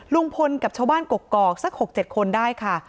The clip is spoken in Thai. ลุงพลกับชาวบ้านกกอกสัก๖๗คนได้ค่ะ